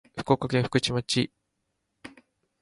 福岡県福智町